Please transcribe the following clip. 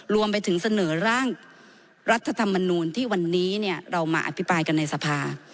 รวมไปถึงเสนอร่างรัฐธรรมนูลที่วันนี้เรามาอภิปรายกันในสภา